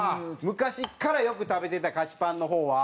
昔からよく食べてた菓子パンの方は？